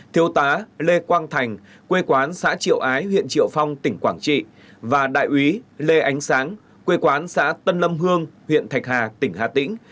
thiếu tá lê quang thành quê quán xã triệu ái huyện triệu phong tỉnh quảng trị và đại úy lê ánh sáng quê quán xã tân lâm hương huyện thạch hà tỉnh hà tĩnh